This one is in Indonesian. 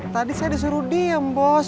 tadi saya disuruh diem bos